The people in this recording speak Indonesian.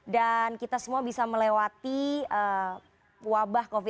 dan kita semua bisa melewati wabah covid sembilan belas